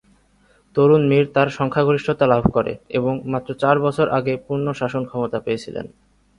তরুণ মীর তার সংখ্যাগরিষ্ঠতা লাভ করে এবং মাত্র চার বছর আগে পূর্ণ শাসন ক্ষমতা পেয়েছিলেন।